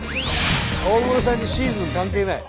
大室さんにシーズン関係ない。